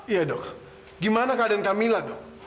iya dok gimana keadaan kamila dok